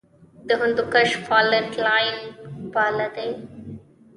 د هندوکش فالټ لاین فعال دی